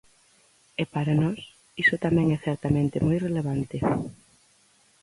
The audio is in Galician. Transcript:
E para nós iso tamén é certamente moi relevante.